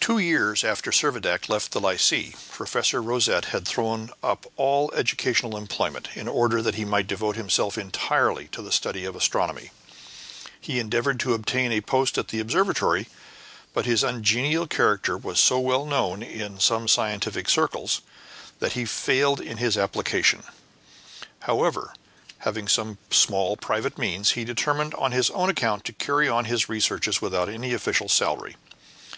Two years after Servadac left the Lycee, Professor Rosette had thrown up all educational employment in order that he might devote himself entirely to the study of astronomy. He endeavored to obtain a post at the Observatory, but his ungenial character was so well known in scientific circles that he failed in his application; however, having some small private means, he determined on his own account to carry on his researches without any official salary.